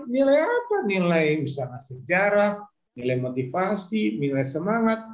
nilai apa nilai misalnya sejarah nilai motivasi nilai semangat